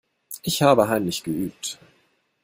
Ich habe heimlich geübt.